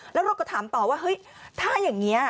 แล้วเราก็ถามต่อว่าเฮ้ยถ้าอย่างนี้